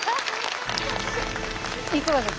いかがですか？